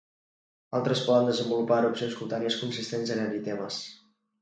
Altres poden desenvolupar erupcions cutànies consistents en eritemes.